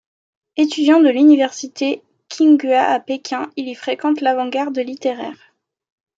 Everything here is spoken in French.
Étudiant de l'université Qinghua à Pékin, il y fréquente l’avant-garde littéraire.